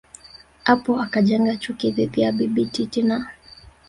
hapo akajenga chuki dhidi ya Bibi Titi na